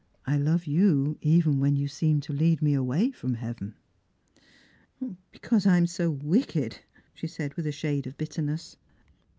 I love you even when you seemed to lead me away from heaven." " Because I am so wicked," she said with a shade of bitterness.